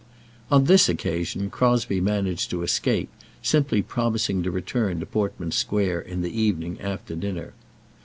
On this occasion Crosbie managed to escape, simply promising to return to Portman Square in the evening after dinner.